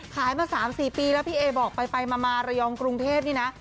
มา๓๔ปีแล้วพี่เอบอกไปมาระยองกรุงเทพนี่นะ